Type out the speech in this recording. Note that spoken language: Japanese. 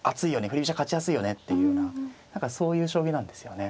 振り飛車勝ちやすいよねっていうような何かそういう将棋なんですよね。